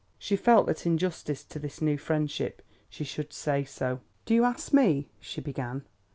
She felt that in justice to this new friendship she should say so. "Do you ask me?" she began.